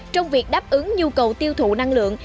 trong việc đáp ứng nhu cầu tiêu thụ năng lượng